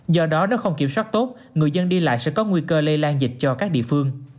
do đó nếu không kiểm soát tốt người dân đi lại sẽ có nguy cơ lây lan dịch cho các địa phương